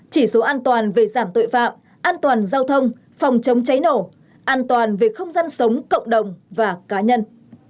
chỉ số an toàn về giảm tội phạm an toàn giao thông phòng chống cháy nổ an toàn về không gian sống cộng đồng và cá nhân